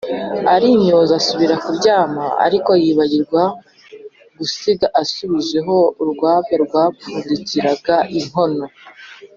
arimyoza asubira kuryama, ariko yibagirwa gusiga asubujeho urwabya rwapfundikiraga inkono.